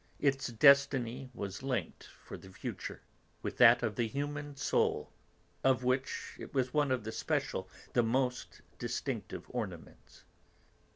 Its destiny was linked, for the future, with that of the human soul, of which it was one of the special, the most distinctive ornaments.